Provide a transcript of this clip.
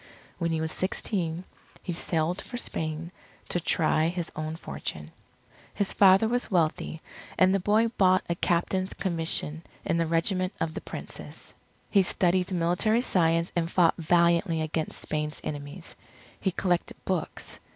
When he was sixteen, he sailed for Spain to try his own fortune. His father was wealthy, and the boy bought a captain's commission in the Regiment of the Princess. He studied military science and fought valiantly against Spain's enemies. He collected books.